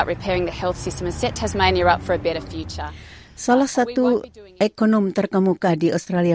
ekonom terkemuka di australia